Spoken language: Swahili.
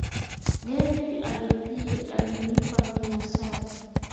Ngeni alinipa Mia saba